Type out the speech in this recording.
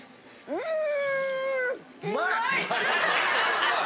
うん。